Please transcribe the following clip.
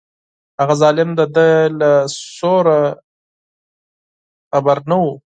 هغه ظالم د ده له سوره خبر نه و.